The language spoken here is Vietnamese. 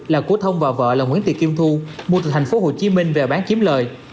là của thông và vợ là nguyễn thị kim thu mua từ thành phố hồ chí minh về bán chiếm lời